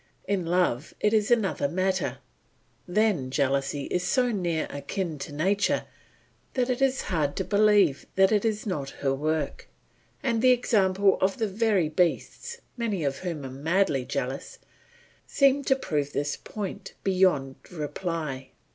In love it is another matter; then jealousy is so near akin to nature, that it is hard to believe that it is not her work; and the example of the very beasts, many of whom are madly jealous, seems to prove this point beyond reply.